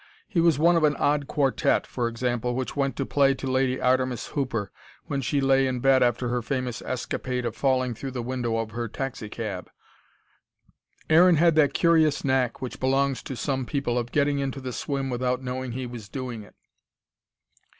He was one of an odd quartette, for example, which went to play to Lady Artemis Hooper, when she lay in bed after her famous escapade of falling through the window of her taxi cab. Aaron had that curious knack, which belongs to some people, of getting into the swim without knowing he was doing it.